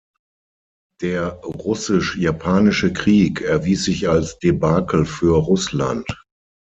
Der Russisch-Japanische Krieg erwies sich als Debakel für Russland.